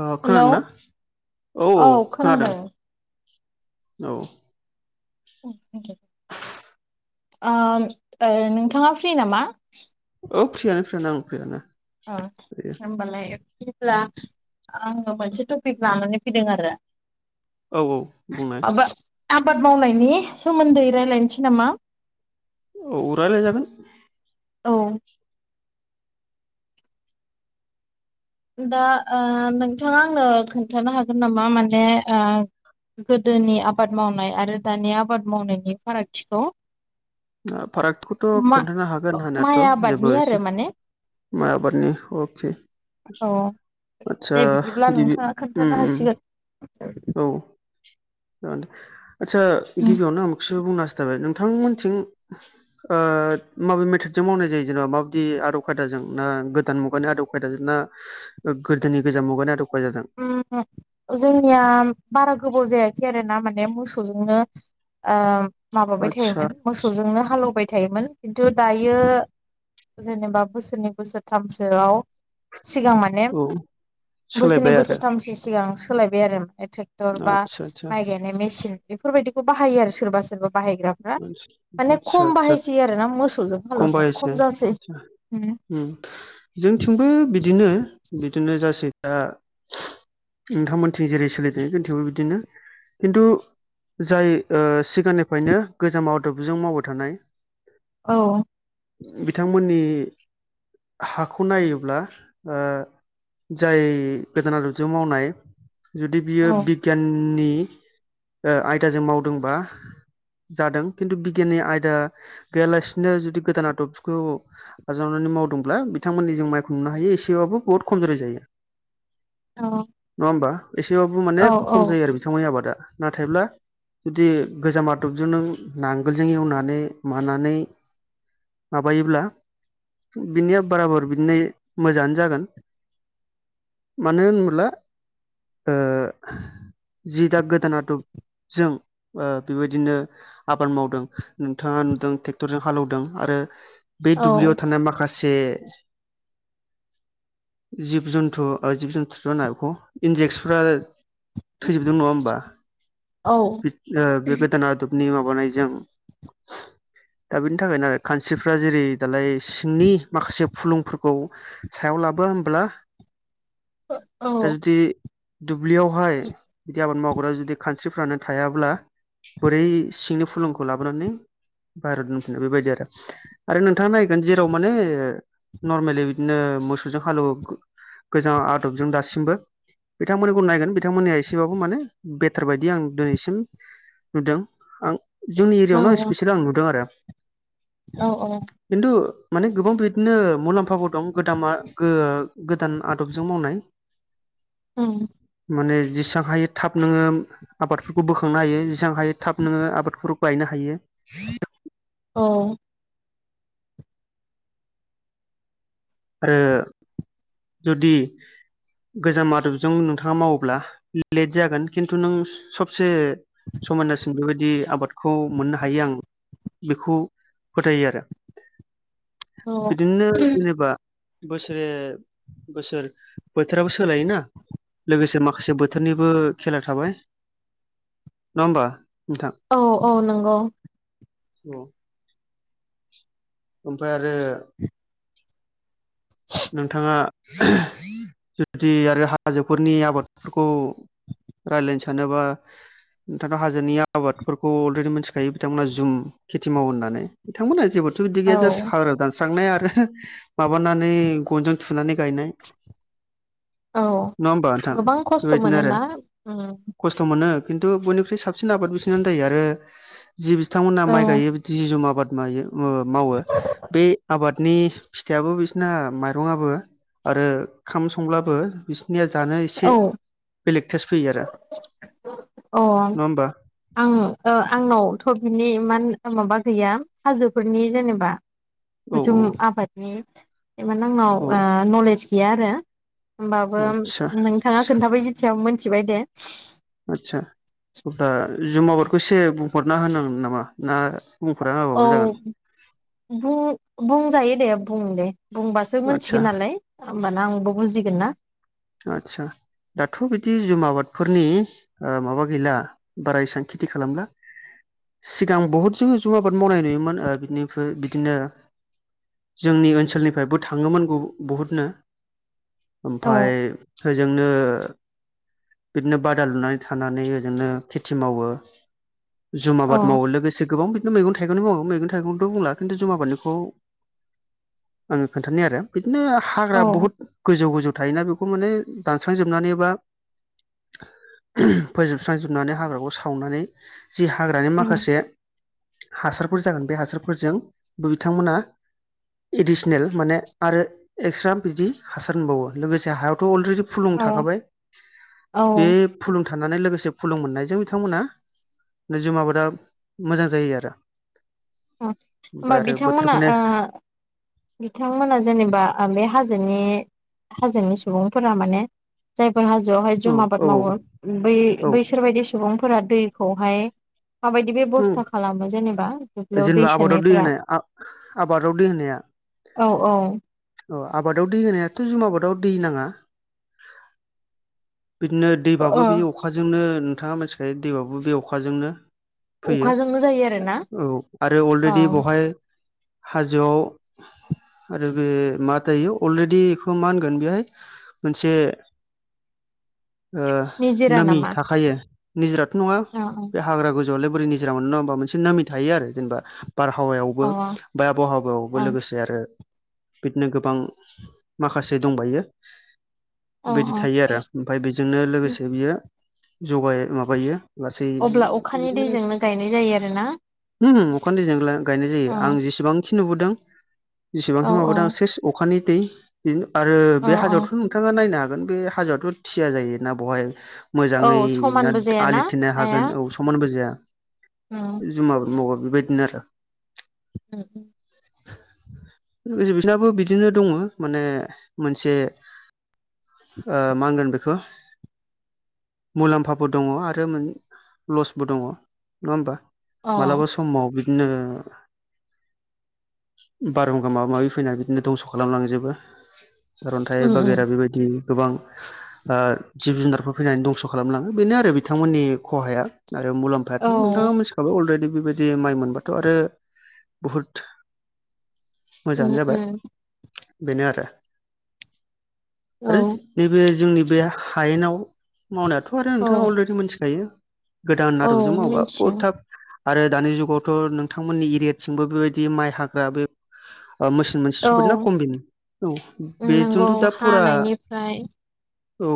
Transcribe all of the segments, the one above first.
अ hello खोनादोंना औ औ खोनादों औ [unintelligible] ओम ओ नोंथाङा फ्रि नामा? औ फ्रियानो फ्रियानो ओं फ्रियानो अ दायो होमबालाय अब्ला आङो मोनसे टपिक लानानै फैदों आरो। औ औ बुंनाय माबा आबाद मावनायनि सोमोन्दै रायलायसै नामा औ रायलाय जागोन। औ दा ओ नोंथाङा आंनो खोन्थानो हागोन नामा माने ओ गोदोनि आबाद मावनाय आरो दानि आबाद मावनायनि फारागथिखौ ओ फारागखौथ' मा खोन्थानो हागोन माइ होनायाथ' जेबो आबादनि आरो एसे माने माइ आबादानि फरथि औ आतसा दे बिदिब्ला गिबि नोंथाङा उम खोन्थानो उम हासिगोन औ आत आतसा उम गिबियावनो आं बेखौसो बुंनो हासथाबाय नोंथांमोनथिं [inaudible] ओ माबे मेथडजों मावनाय जायो जेनेबा माबायदि आदब खायदाजों ना गोदान मुगानि आदब खायदाजों ना गोदोनि गोजाम मुगानि आदब खायदाजों [unintelligible] जोंनिया बारा गोबाव जायाखै आरोना माने मोसौजोंनो ओ माबाबाय आदसा थायोमोन मोसौजोंनो हालौबाय थायोमोन खिन्थु दायो जेनेबा बोसोरनै बोसोरथामसोआव सिगां माने औ बोस सोरनै सोलायबाय आरो बोसोरथामसो सिगां सोलायबाय आरो ए टेक्टर बा आदसा आदसा माइ गायनाय मेसिन बेफोरबायदिखौ बाहायो आरो सोरबा सोरबा बाहायग्राफ्रा माने आदसा खम आदसा बाहायसै आरोना मोसौजों हालौनाया खम जासै ओम जोंथिंबो बिदिनो बिदिनो जासै दा नोंथांमोनथिं जेरै- सोलिदों जोंथिंबो बिदिनो खिन्थु जाय ओ सिगांनि फायनो गोजाम आदबजों मावबाय थानाय औ बिथांमोननि हाखौ नायोब्ला ओ जाय गोदान आदबजों मावनाय जुदि बियो औ बिगियाननि ओ आयदाजों मावदोंबा जादों खिन्थु बिगियाननि आयदा गैयालासिनो जुदि गोदान आदबखौ आजावनानै मावदोंब्ला बिथांमोननि जों माइखौ नुनो हायो एसेबाबो बुहुत खमजुरि जायो। [inaudible] औ नङा होमबा एसेबाबो औ माने खम जायो आरो बिथांमोननि आबादा नाथायब्ला जुदि गोजाम आ दबजों नों नांगोलजों एवनानै मानानै माबायोब्ला बिनिया बाराबर बिदिनो मोजाङानो जागोन मानो होनब्ला ओ जि दा गोदान आदबजों ओ बेबाय दिनो आबाद मावदों नोंथाङा नुदों टेक्टरजों हालौदों आरो बे औ दुब्लियाव थानाय माखासे जिब जुन्थु ओय जिब जुन्थुथ होना बेखौ इन्जेक्सफ्रा थैजोबदों नङा होमबा औ बिद ओ बेबा नादबनि माबानायजों दा बेनि थाखायनो आरो खानस्रिफ्रा जेरै दालाय सिंनि माखासे फुलुंफोरखौ सायाव लाबोआ होमब्ला दा जुदि दुब्लियावहाय बिदि आबाद माव ग्रा जुदि खानस्रिफ्रानो थायाब्ला बोरै सिंनि फुलुंखौ लाबोनानै बाहेराव दोनफैनो बेबायदि आरो आरो नोंथाङा नायगोन जेराव माने नरमेलि बिदिनो मोसौजों हालेवो गोजाम आदबजों दासिमबो बिथांमोनखौ नायगोन बिथांमोननिया एसेबाबो माने बेटार बायदि आं दिनैसिम नुदों आं जोंनि औ एरियायावनो स्पेसियेल आं नुदों आरो औ औ खिन्थु माने गोबां बिदिनो मुलाम्फफोरो दं गोदाना गोदान आदबजों मावनाय [unintelligible] ओम माने जेसां हायो थाब नोङो आबादफोरखौ बोखांनो हायो जेसां हायो थाब नोङो आबादफोरखौ गायनो हायो। औ आरो जुदि गोजाम आदबजों नोंथाङा मावोब्ला लेट जागोन खिन्थु नों सबसे समायनासिन बेबा जि आबादखौ मोननो हायो आं बेखौ फोथायो आरो औ बिदिनो जेनेबा बोसोरै बोसोर बोथोराबो सोलायोना। लोगोसे माखासे बोथोरनिबो खेला थाबाय नङा होमबा। नोंथां औ औ नंगौ। औ। ओमफ्राय आरो नोंथाङा जुदि आरो हाजोफोरनि आबादफोरखौ रायलायनो सानोबा नोंथांङा हाजोनि आबादफोरखौ अलरेडि मिथिखायो बिथांमोना जुम खेथि मावो होननानै बिथांमोना जेबोद थ' बिदि गैया जास्ट औ हाग्रा दानस्रांनाय आरो माबानानै गनजों थुनानै गायनाय। औ नङा होमबा नोंथां गोबां खस्थ' बेबायदिनो आरो मोनोना खस्थ' मोनो। खिन्थु बयनिख्रुइ साबसिन आबाद बिसोनानो जायो आरो जि बिथांमोनहा माइ ओम गायो बिदि जुम आबाद मायो ओ मावो बे आबादनि फिथाइयाबो बिसिना मा रंआबो आरो ओंखाम संब्लाबो बिस निया जानो औ एसे बेलेग टेस्त फैयो आरो अ नङा होमबा आं ओ आंनावथ' बिनि मान माबा गैया हाजोफोरनि जेनेबा औ जुम आबादनि एमान औ आंनाव ओ नलेज गैया आरो होमबाबो आदसा नोंथाङा खोन्थाबाय सायाव मोनथिबाय दे आदसा अब्ला जुम आबादखौ एसे बुंफोरना होनांगोन नामा ना बुंफोरना औ होबाबो जागोन बु बुंजायो दे बुं दे बुंबासो आदसा मिथिगोन नालाय होमबाना आंबो बुजिगोन ना। आतसा दाथ' बिदि जुम आबादफोरनि ओ माबा गैला बारा एसां खेथि खालामला। सिगां बहुद जोङो जुम आबाद मावनाय नुयोमोन ओ बिनिफ्राय बिदिनो जोंनि ओनसोलनिफ्रायबो थाङोमोन बहु बहुतनो औ ओमफाय बेजोंनो बिदिनो बादा लुनानै थानानै ओजोंनो खेथि मावो। जुम औ आबाद मावो लोगोसे गोबां बिदिनो मैगं थाइगंनि मावो मैगं थाइगंथ' बुंला खिन्थु जुम आबादनिखौ आङो खोन्थानि आरो बिदिनो हाग्रा औ बुहुत गोजौ गोजौ थायोना बे बेखौ माने दानस्रांजोबनानै एबा फोजोबस्रांजोबनानै हाग्राखौ सावनानै जि हाग्रानि ओम माखासे हासारफोर जागोन बे हासारफोरजों बो बिथांमोना एदिसनेल माने आरो एक्सट्रा बिदि हासार होनबावो लोगोसे हायाव थ' अलरेडि फुलुं औ थाखाबाय बे औ फुलुं थानानै लोगोसे फुलुं मोननायजों बिथांमोना [unintelligible] आबादा मोजां जायो आरो होमबा ओमफ्राय आरो बोथोर बिथांमोना फैनाय ओ बिथांमोना जेनेबा ओ बे हाजोनि। हाजोनि सुबुंफोरा माने जाय हाजोआवहाय औ जुम औ आबाद मावो बै औ बैसोर बायदि सुबुंफोरा दैखौहाय माबायदि उम बेब'स्था खालामो जेनेबा दुब्लियाव दै जेनेबा आबादाव सोनायफोरा। होनाय आबादाव औ औ। अ आबादाव दै होनायाथ' जुम आबादाव दै नाङा। बिदिनो दैबाबो बे अखाजोंनो नोंथाङा मिथिखायो दैबाबो बे अखाजोंनो फैयो अखाजोंनो जायो आरो ना औ आरो अलरेडि औ बेवहाय हाजोआव आरो बे माथायो अलरेडि बेखौ मा होनगोन बेहाय मोनसे [inaudible] ओ निजिरा नामि नामा थाखायो निजोराथ' नङा अ बे हाग्रा गो जलाय बोरै निजोरा मोन नङा होमबा मोनसे नामि थायो आरो जेनेबा बारहावायावबो अ बा अ आबहावायावबो लोगोसे आरो बिदिनो गोबां माखासे दंबायो। बिदि अ थायो आरो ओमफाय बेजोंनो लोगोसे बियो जगा माबायो लासै हानि दैजोंनो गायनाय जायो आरोना? ओम अख दैजों गायनाय जायो आं औ जेसेबांखि नुबोदों औ जसेबांखि औ माबा दां सेस अखानि दै आरो औ बे औ हाजोआवथ' नोंथाङा नायनो हागोन। बे हाजोआथ' थिया जायोना बहाय मोजांङै औ ना समानबो जायाना आलि थेनो हागोन हाया औ बजाया उम जुम आबाद मावा बेबायदिनो आरो [inaudible] [unintelligible] बिदिनो दङ माने मोनसे ओ मा होनगोन बेखौ मुलाम्फाबो दङ आरो मोन लसबो दङ नङा होमबा मालाबा समाव बिदिनो बारहुंखा माबा माबि फैनानै बिदिनो दंस' खालामलांजोबो। सारन्थाइ बागेरा बेबायदि गोबां ओ जिब जुनारफोर फैनानै दंस' खालामलाङो बेनो आरो बिथांमोननि खहाया आरो मुलाम्फायाथ' नोंथाङा मिथिखाबाय अलरेडि बेबायदि माइ मोनबाथ' आरो बुहुत उ उ बेनो आरो आरो नैबे जोंनि बे हायेनाव मावनायाथ' आरो नोंथाङा अलरेडि मोनथिखायो गोदान मिथियो औ आदबजों मावबा बह मिन्थियो थाब आरो दानि जुगावथ' नोंथांमोननि एरियाथिंबो बेबायदि माइ हाग्रा बे ओ मोसेन मोनसे सफैदोंना औ कमबिन नि औ नंगौ बेजोंथ' दा फुरा हानायनिफ्राय औ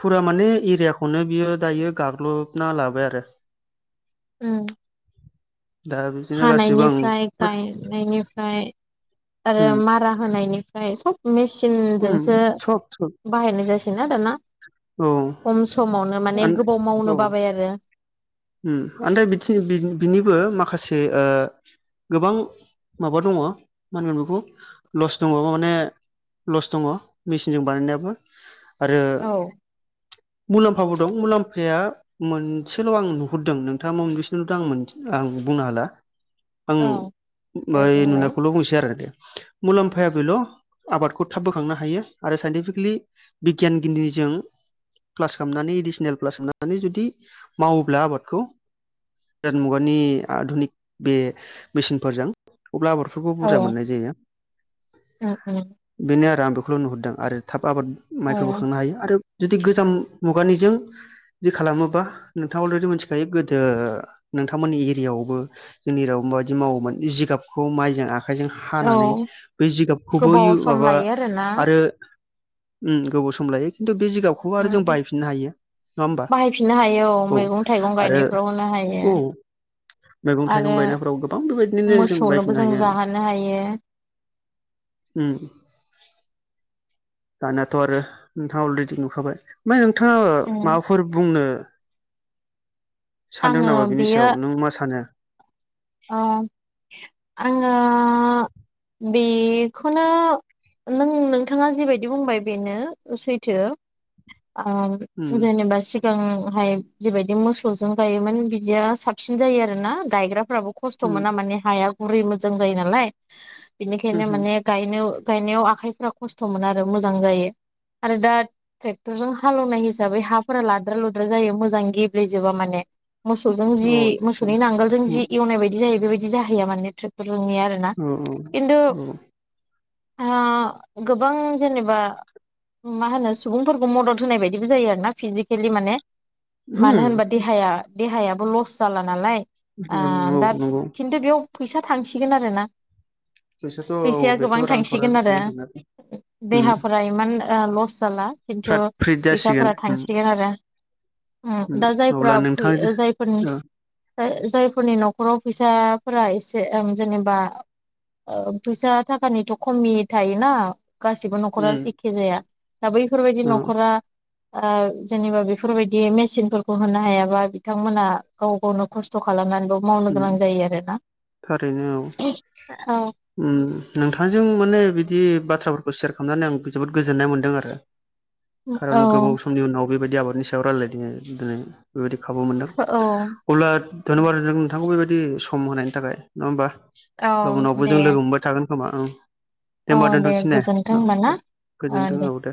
फुरा माने एरियाखौनो बियो दायो गाग्लोबना ला बाय आरो। ओं दा बिदिनो गासिबो आं हानायनिफ्राय गायनायनिफ्राय आरो उम मारा होनायनिफ्राय सब उम मेचनजोंसो सब सब बाहायनाय जासै ना दाना। औ खम समावनो माने गोबाव मावनो बाबाय आरो। आमफ्राय बि बिनिबो माखासे गोबां माबा दङ मागोन बेखौ लस दङा माने लस दङ मेसिनजों बानायनायाबो। आरो औ मुलाम्फाबो दं मुलाम्फाया मोनसेल' आं नु हरदों नोंथाङा मोनबेसनलथ आं आं बुंनो हाला। आं औ दे बाय बुंलाय नुनायखौल बुंसै आरो दे मुलाम्फाया बेल आबादखौ थाब बोखांनो हायो आरो साइन्टिफिकेलि बिगियान गिनदिजों क्लास खालामनानै एडिसनेल क्लास खालामनानै जुदि मावोब्ला आबाद गोदान मुगानि आधुनिक बे मेसिनफोरजों अब्ला आबरफोरखौ बुरजा मोननाय जायो। उ उ बेनो आरो आं बेखौल नुहुरदों आरो थाब आबाद माइखौ औ बोखांनो हायो आरो। जुदि गोजाम मुगानिजों बिदि खालामोबा नोंथाङा अलरेडि मोनसे बेखाय गोदो नोंथांमोननि एरियायावबो जोंनि एरियाव माबायदि मावोमोन जिगाबखौ माइजों आखाइ आखाइजों हानानै औ ब जिगाबखौबो गोबाव सम माबा लायो आरोना आरो उ गोबाव सम लायो। बे जिगाबखौ आरो जों उम बायफिननो हायो नङा होमबा औ आरो गायनायफ्रावनो औ हायो। मैगं आरो थाइगं गायनायफोराव गोबां बेबायदिनो जों मोसौनोबो बायफिननो हायो। जाहोनो हायो ह दानियाथ आरो नोंथाङा अलरेडि नुखाबाय ओमफ्राय नोंथाङा माबाफोर बुंनो सानदों आङो नामा बिनि सायाव नों मा सानो? अ आङो बेखौनो नों नोंथाङा जिबायदि बुंबाय बेनो सैथो। उम जेनेबा सिगां ओमाय जिबायदि मोसौजों गायोमोन बिदिया साबसिन जायो आरोना गायग्राफ्राबो खस्थ' उम मोना माने हाया गुरै मोजां जायो नालाय बिनिखायनो उम माने गायनो गायनायाव आखाइफोरा्रा खस्थ' मोन आरो मोजां जायो। आरो दा ट्रेक्टरजों हालेवनाय हिसाबै हाफोरा लाद्रा लुद्रा जायो मोजां गेब्लेेजोबा माने मोसौजों अ जि आदसा मोसौनि नांगोलजों जि उम एवनाय जायो बेबायदि जाहै माने ट्रेटरनि आरोना औ खिन्थु औ गोबां जेनेबा मा होनो सुबुंफोरखौ मदद होनाय बायदिबो जायो आरो ना फिजिकेलि माने मानो उम होनबा देहाया देहायाबो लस जाला नालाय। ओ औ दा नंगौ खिन्थु बेयाव फैसा थांसिगोन आरोना। बिसोरथ' औ फैसाया बेथ' गोबां थांसिगोन रांखावरिया आरो थांगोन थांनायाथ' उम देहाफोरा इमान लस जाला खिन्थु फ्रात फ्रिद जासिगोन फैसाफोरा उम थांसिगोन आरो। उम दा अब्ला जायफोरा फ नोंथांजो जायफोरनि ओ जाय फोरनि न'खराव फैसाफोरा एसे जेनेबा फैसा थाखानिथ खमि थायोना। गासिबो न'खरा उम एखे जाया दा बैफोरबायदि औ न'खरा ओ जेनेबा बेफोरबायदि मेसिनफोरखौ होनो हायाबा बिथांमोना गाव गावनो खस्थ' खालामनानै उम [inaudible] थारैनो औ औ उम नोंथांजों माने बिदि बाथ्रा खौ सेयार खालामनानै आं जोबोद गोजोननाय मोन्दों आरो। खारन गोबाव समनि उनाव बेबायदि आबादनि सायाव रायलायदों दिनै बेबायदि खाबु मोनदों औ अब्ला धन्यबाद नांगौ बेबायदि सम होनायनि थाखाय नङा होमबा, औ उनावबो दे जों लोगो मोनबाय थागोन खोमा औ दे औ होनोमबा दोनथ'नोसै ने गोजोनथों औ होमबा ना गोजोनथों औ दे।